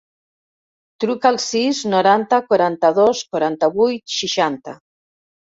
Truca al sis, noranta, quaranta-dos, quaranta-vuit, seixanta.